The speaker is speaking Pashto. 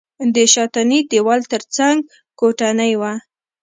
د شاتني دېوال تر څنګ کوټنۍ وه.